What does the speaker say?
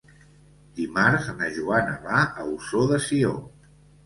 Dimarts na Joana va a Ossó de Sió.